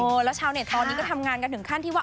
แล้วชาวเน็ตตอนนี้ก็ทำงานกันถึงขั้นที่ว่า